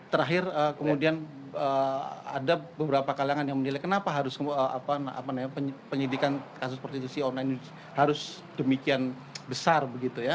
terakhir kemudian ada beberapa kalangan yang menilai kenapa harus penyidikan kasus prostitusi online ini harus demikian besar begitu ya